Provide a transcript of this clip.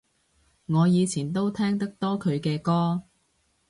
我以前都聽得多佢嘅歌